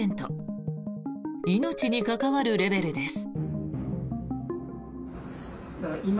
命に関わるレベルです。